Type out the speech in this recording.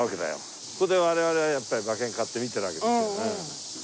ここで我々はやっぱり馬券買って見てるわけですよ。